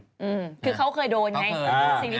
อืมคือเขาเคยโดนไง